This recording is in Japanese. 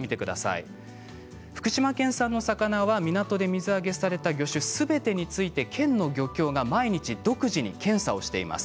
福島県産の魚は港で水揚げされた魚種すべてについて漁協が毎日独自に検査をしています。